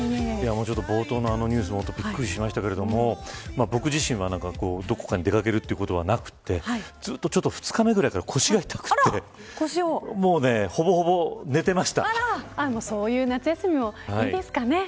冒頭のニュースはびっくりしましたけど僕自身は、どこかに出掛けるということはなくてずっと２日目ぐらいから腰が痛くてでも、そういう夏休みもいいですかね。